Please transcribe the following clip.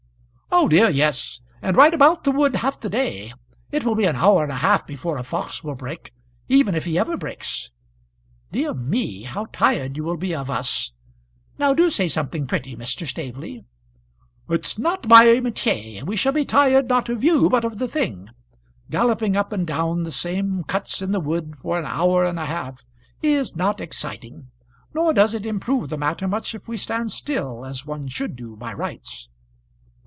"Oh, dear, yes; and ride about the wood half the day. It will be an hour and a half before a fox will break even if he ever breaks." "Dear me! how tired you will be of us. Now do say something pretty, Mr. Staveley." "It's not my métier. We shall be tired, not of you, but of the thing. Galloping up and down the same cuts in the wood for an hour and a half is not exciting; nor does it improve the matter much if we stand still, as one should do by rights."